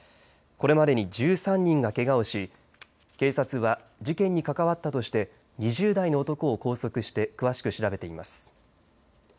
これまでに１３人がけがをし警察は事件に関わったとして２０代の男を拘束して詳しく調べています。